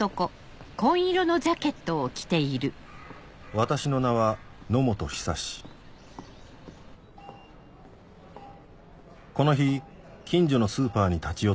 私の名は野本久この日近所のスーパーに立ち寄った